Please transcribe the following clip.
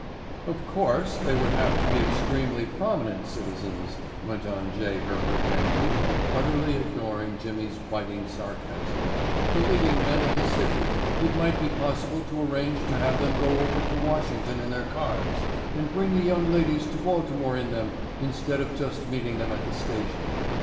"Of course, they would have to be extremely prominent citizens," went on J. Herbert Denby, utterly ignoring Jimmy's biting sarcasm, "the leading men of the city. It might be possible to arrange to have them go over to Washington in their cars and bring the young ladies to Baltimore in them instead of just meeting them at the station.